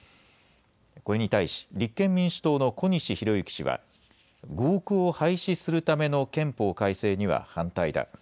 これに対し、立憲民主党の小西洋之氏は、合区を廃止するための憲法改正には反対だ。